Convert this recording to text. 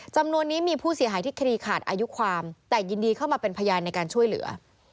จำนวนนี้มีผู้เสียหายที่คดีขาดอายุความแต่ยินดีเข้ามาเป็นพยานในการช่วยเหลือ